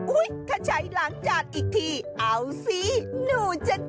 อุ๊ยถ้าใช้ล้างจานอีกทีเอาสิหนูเจ็ด